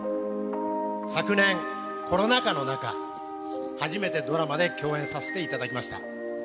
昨年、コロナ禍の中、初めてドラマで共演させていただきました。